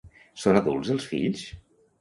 Són adults els fills?